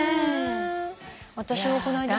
私もこの間ね。